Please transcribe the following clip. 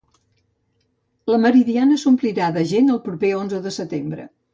La Meridiana s'omplirà de gent el proper Onze de Setembre